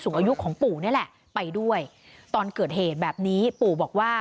อายุของปู่นี่แหละไปด้วยตอนเกิดเหตุแบบนี้ปู่บอกว่า